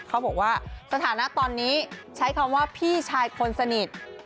เขาบอกว่าสถานะตอนนี้ใช้คำว่าพี่ชายคนสนิท